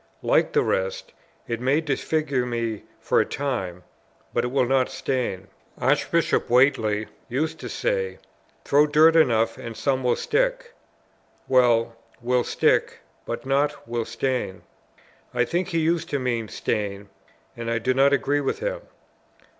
Like the rest, it may disfigure me for a time, but it will not stain: Archbishop Whately used to say, "Throw dirt enough, and some will stick;" well, will stick, but not, will stain. I think he used to mean "stain," and I do not agree with him.